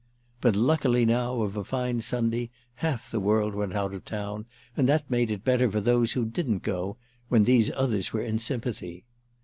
But luckily now, of a fine Sunday, half the world went out of town, and that made it better for those who didn't go, when these others were in sympathy.